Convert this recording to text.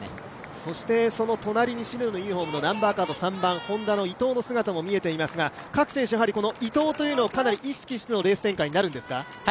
そしてその隣の白のユニフォーム、３番のＨｏｎｄａの伊藤の姿も見えていますが各選手、伊藤をかなり意識してのレース展開になるんですか。